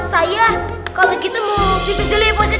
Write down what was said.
saya kalau gitu mau pipi dulu ya pak ustaz